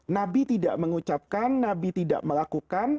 nabi tidak mengucapkan nabi tidak melakukan